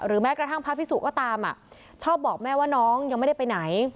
แม้กระทั่งพระพิสุก็ตามชอบบอกแม่ว่าน้องยังไม่ได้ไปไหน